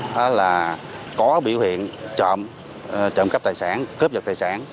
đó là có biểu hiện trộm cắp tài sản cướp giật tài sản